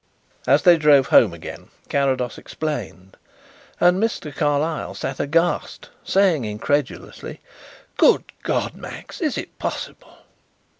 As they drove home again Carrados explained, and Mr. Carlyle sat aghast, saying incredulously: "Good God, Max, is it possible?"